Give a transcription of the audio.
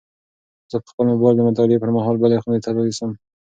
زه به خپل موبایل د مطالعې پر مهال بلې خونې ته یوسم.